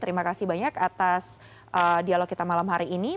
terima kasih banyak atas dialog kita malam hari ini